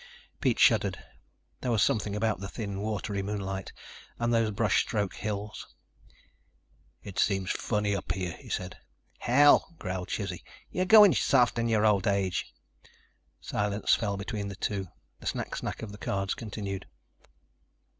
Pete shuddered. There was something about the thin, watery moonlight, and those brush stroke hills.... "It seems funny up here," he said. "Hell," growled Chizzy, "you're going soft in your old age." Silence fell between the two. The snack snack of the cards continued.